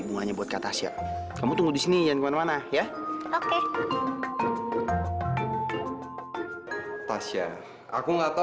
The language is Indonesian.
buahnya buat kata syah kamu tunggu di sini yang mana mana ya oke tasya aku nggak tahu